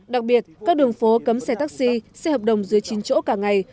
đặc biệt các đường phố cấm xe taxi xe hợp đồng dưới chín chỗ cả ngày